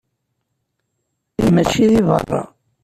Mačči di berra.